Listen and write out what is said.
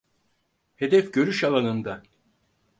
Hedef görüş alanında.